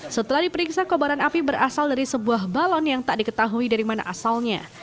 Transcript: setelah diperiksa kobaran api berasal dari sebuah balon yang tak diketahui dari mana asalnya